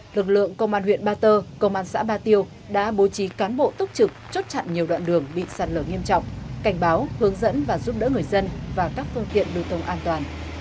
lực lượng công an huyện ba tơ công an xã ba tiêu đã bố trí cán bộ túc trực chốt chặn nhiều đoạn đường bị sạt lở nghiêm trọng cảnh báo hướng dẫn và giúp đỡ người dân và các phương tiện đưa thông an toàn